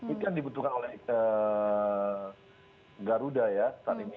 itu yang dibutuhkan oleh garuda ya